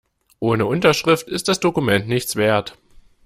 Ohne Unterschrift ist das Dokument nichts wert.